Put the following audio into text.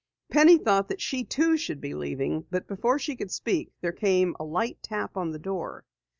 Penny thought that she too should be leaving, but before she could speak, there came a light tap on the door.